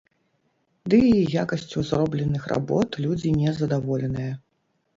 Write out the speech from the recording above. Ды і якасцю зробленых работ людзі не задаволеныя.